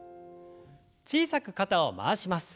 小さく肩を回します。